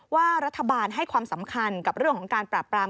ว่ารัฐบาลให้ความสำคัญกับเรื่องของการปราบปราม